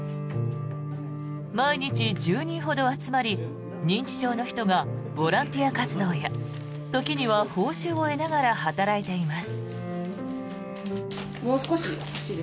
毎日１０人ほど集まり認知症の人がボランティア活動や時には報酬を得ながら働いています。